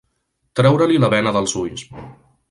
Treure-li la bena dels ulls.